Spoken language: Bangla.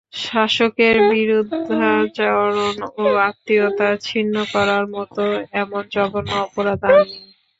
শাসকের বিরুদ্ধাচরণ ও আত্মীয়তা ছিন্ন করার মত এমন জঘন্য অপরাধ আর নেই।